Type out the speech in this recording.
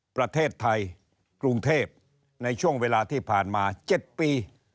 ประเทศไทยกรุงเทพในช่วงเวลาที่ผ่านมา๗ปี